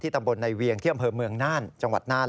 ตำบลในเวียงที่อำเภอเมืองน่านจังหวัดน่าน